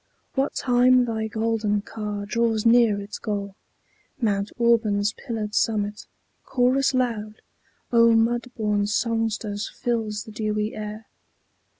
What time thy golden car draws near its goal, Mount Auburn's pillared summit, chorus loud Of mud born songsters fills the dewy air.